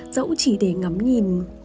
dẫu chỉ để ngắm nhìn